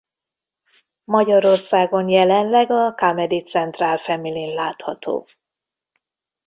Magyarországon jelenleg a Comedy Central Familyn látható.